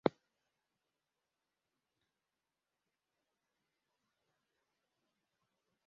Abakunzi b'ikipe y'umupira w'amaguru bareba mu kibuga